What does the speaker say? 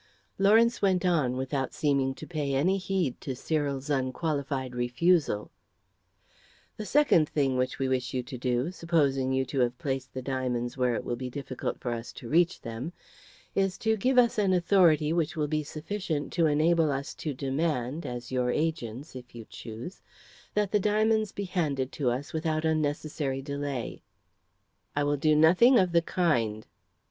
Lawrence went on without seeming to pay any heed to Cyril's unqualified refusal "The second thing which we wish you to do supposing you to have placed the diamonds where it will be difficult for us to reach them is to give us an authority which will be sufficient to enable us to demand, as your agents, if you choose, that the diamonds be handed to us without unnecessary delay." "I will do nothing of the kind."